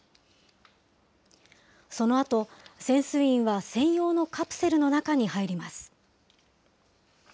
そのあと、潜水員は専用のカプセルの中に入ります。